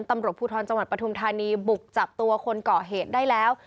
ตำรวจภูทรจังหวัดปฐุมธานีบุกจับตัวคนก่อเหตุได้แล้ว